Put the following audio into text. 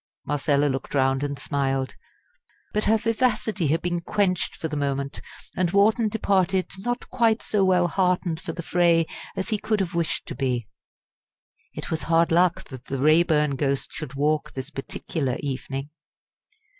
Marcella looked round and smiled. But her vivacity had been quenched for the moment; and Wharton departed not quite so well heartened for the fray as he could have wished to be. It was hard luck that the Raeburn ghost should walk this particular evening.